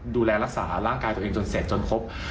ดูแลรักษาร่างกายตัวเองจนเสร็จจนครบ